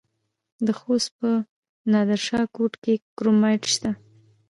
د خوست په نادر شاه کوټ کې کرومایټ شته.